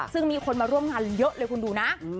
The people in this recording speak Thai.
ซึ่งมีคนมาร่วมงานเยอะเลยคุณดูนะ